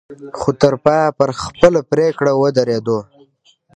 خو تر پايه پر خپله پرېکړه ودرېدو.